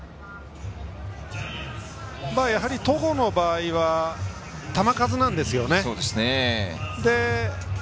戸郷の場合は球数なんですね。